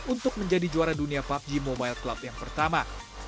untuk menjadi juara dunia pubg mobile club yang pertama